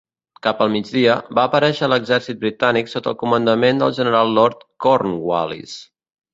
Cap al migdia, va aparèixer l'exèrcit britànic sota el comandament del general Lord Cornwallis.